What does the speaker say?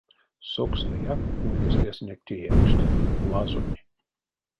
Сокстнэяк ульнесть эсенек теевкст — лазонь.